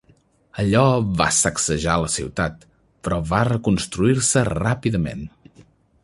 Allò va sacsejar la ciutat, però va reconstruir-se ràpidament.